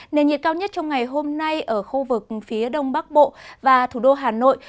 nền nhiệt cao nhất trong ngày hôm nay ở khu vực phía đông bắc bộ và thủ đô hà nội